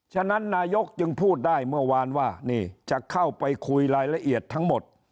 ฉะนั้นนายกจึงพูดได้เมื่อวานว่านี่จะเข้าไปคุยรายละเอียดทั้งหมด